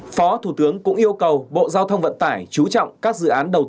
phó thủ tướng cũng yêu cầu bộ giao thông vận tải chú trọng các dự án đầu tư